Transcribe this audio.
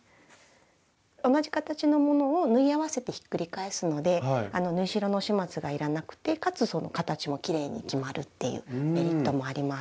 同じ形のものを縫い合わせてひっくり返すので縫い代の始末がいらなくてかつ形もきれいに決まるっていうメリットもあります。